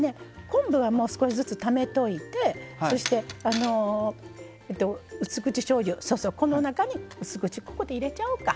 昆布は少しずつためといてそしてうす口しょうゆそうそうこの中にうす口ここで入れちゃおうか。